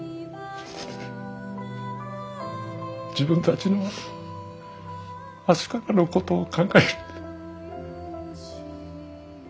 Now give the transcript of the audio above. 自分たちの明日からのことを考えると。